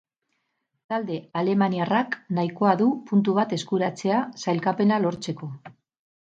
Talde alemaniarrak nahikoa du puntu bat eskuratzea, sailkapena lortzeko.